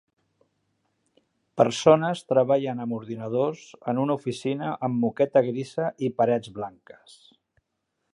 Persones treballen amb ordinadors en una oficina amb moqueta grisa i parets blanques.